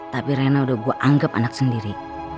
tapi rena udah gue anggap anak sendiri